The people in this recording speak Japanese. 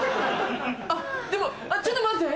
あっでもちょっと待って！